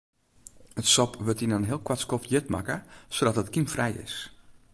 It sop wurdt yn in heel koart skoft hjit makke sadat it kymfrij is.